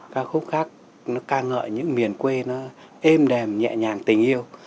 ca khúc khác nó ca ngợi những miền quê nó êm đềm nhẹ nhàng tình yêu